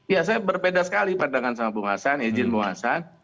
ya saya berbeda sekali pandangan sama bung hasan izin bung hasan